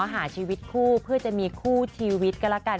หาชีวิตคู่เพื่อจะมีคู่ชีวิตก็แล้วกัน